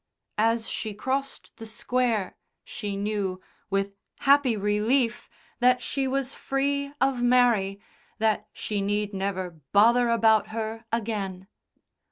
As she crossed the Square she knew, with happy relief, that she was free of Mary, that she need never bother about her again.